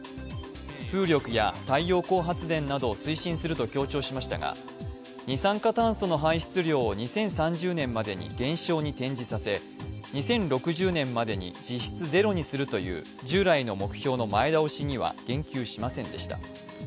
風力や太陽光発電などを推進すると強調しましたが二酸化炭素の排出量を２０３０年までに減少に転じさせ、２０６０年までに実質ゼロにするという従来の目標の前倒しには言及しませんでした。